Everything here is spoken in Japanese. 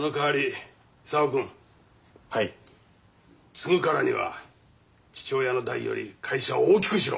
継ぐからには父親の代より会社を大きくしろ。